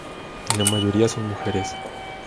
La mayoría son mujeres.